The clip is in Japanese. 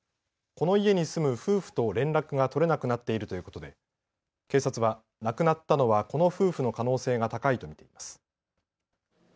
この家に住む夫婦と連絡が取れなくなっているということで警察は亡くなったのはこの夫婦の可能性が高いと見ています。